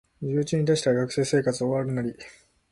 授業中に出したら学生生活終わるナリ